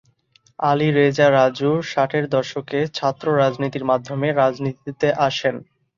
আলী রেজা রাজু ষাটের দশকে ছাত্র রাজনীতির মাধ্যমে রাজনীতিতে আসেন।